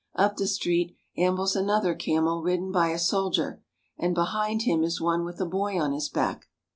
Up the street ambles another camel ridden by a soldier, and behind him is one with a boy on his back.